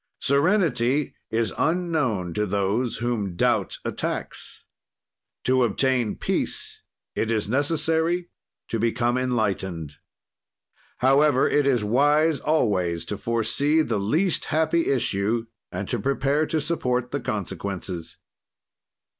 "Serenity is unknown to those whom doubt attacks. "To obtain peace, it is necessary to become enlightened. "However, it is wise always to foresee the least happy issue and to prepare to support the consequences.